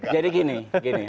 jadi gini gini